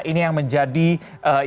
ini yang menjadi ibu kota